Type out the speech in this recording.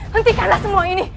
hentikanlah semua ini